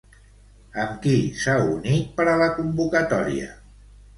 Amb qui s'ha unit per a la convocatòria?